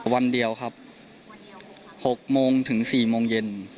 วันเดียวครับ๖โมงถึง๔โมงเย็น